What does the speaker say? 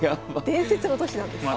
伝説の年なんです。